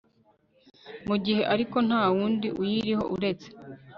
mu gihe ariko nta wundi uyiriho uretse